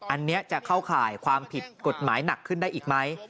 อันนี้จะเข้าข่ายความผิดกฎหมายหนักขึ้นได้อีกไหม